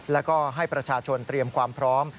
แล้วก็ให้ประชาชนเตรียมความพร้อม